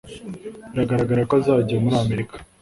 Biragaragara ko azajya muri Amerika